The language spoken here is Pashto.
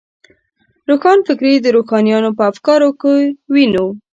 روښانفکري د روښانیانو په افکارو کې وینو.